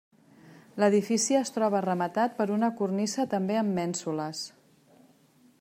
L'edifici es troba rematat per una cornisa també amb mènsules.